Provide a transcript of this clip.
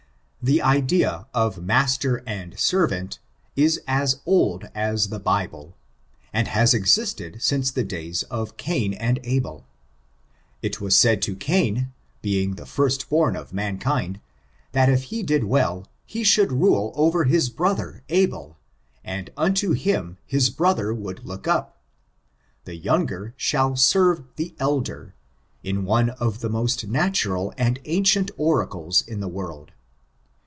The idea of master and servant, is as old as the Bible, and has existed since the days of Cain and Abel. It was said to Cain, being the first«born of mankind, that if he did well, "he should rule over his brother Abel, and unto him his brother would look up. The younger shaU serve the elder, is one of the most natural and ancient eracles in the world.